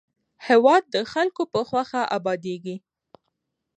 هېواد د خلکو په خوښه ابادېږي.